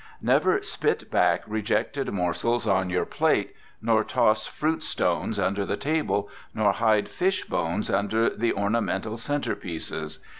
Never spit back rejected morsels on your plate, nor toss fruit stones under the table, nor hide fish bones under the ornamental center pieces.